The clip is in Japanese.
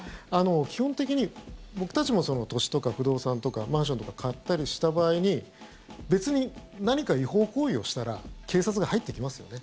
基本的に、僕たちも土地とか不動産とかマンションとか買ったりした場合に別に何か違法行為をしたら警察が入ってきますよね。